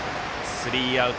スリーアウト。